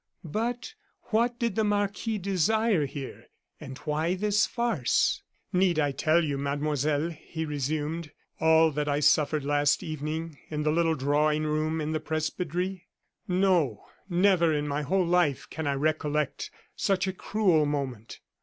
But what did the marquis desire here and why this farce? "Need I tell you, Mademoiselle," he resumed, "all that I suffered last evening in the little drawing room in the presbytery? No, never in my whole life can I recollect such a cruel moment.